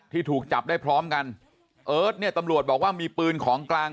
ถูกจับได้พร้อมกันเอิร์ทเนี่ยตำรวจบอกว่ามีปืนของกลาง